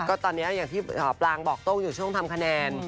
ก็ตอนนี้อย่างที่หมอปลางบอกโต้งอยู่ช่วงทำคะแนน